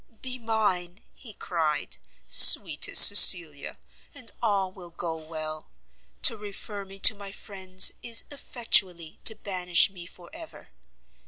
"Be mine," he cried, "sweetest Cecilia, and all will go well. To refer me to my friends is, effectually, to banish me for ever.